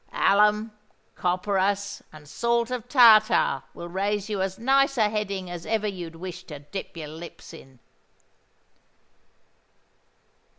Alum, copperas, and salt of tartar will raise you as nice a heading as ever you'd wish to dip your lips in."